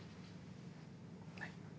はい？